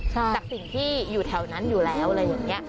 จากสิ่งที่อยู่แถวนั้นอยู่แล้วอะไรอย่างนี้